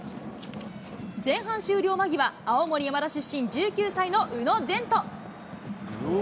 前半終了間際、青森山田出身、１９歳の宇野禅斗。